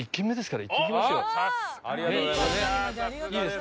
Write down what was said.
ありがとうございます。